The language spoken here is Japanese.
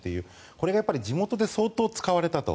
これが地元で相当使われたと。